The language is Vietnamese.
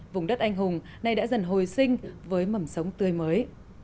vùng đất anh hùng nay đã dần hồi sinh với mầm sống tươi mới